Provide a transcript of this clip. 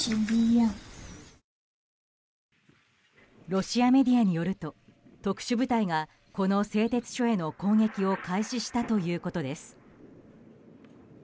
ロシアメディアによると特殊部隊がこの製鉄所への攻撃を開始したということです。